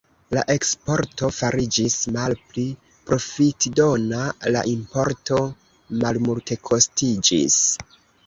La eksporto fariĝis malpli profitdona, la importo malmultekostiĝis.